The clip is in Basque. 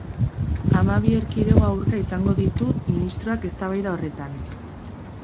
Hamabi erkidego aurka izango ditu ministroak eztabaida horretan.